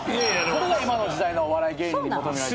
これが今の時代のお笑い芸人に求められてる。